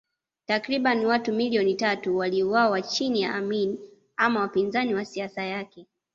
Takriban watu milioni tatu waliuawa chini ya Amin ama wapinzani wa siasa yake